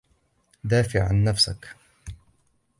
دافِع عن نَفسَك.